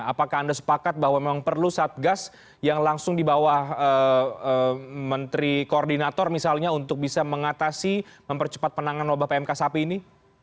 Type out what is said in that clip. apakah anda sepakat bahwa memang perlu satgas yang langsung di bawah menteri koordinator misalnya untuk bisa mengatasi mempercepat penanganan wabah pmk sapi ini